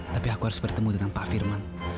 tapi aku harus bertemu dengan pak firman